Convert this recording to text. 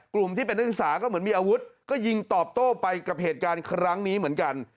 กลุ่มที่เป็นนักศึกษาก็เหมือนมีอาวุธก็ยิงตอบโต้ไปกับเหตุการณ์ครั้งนี้เหมือนกัน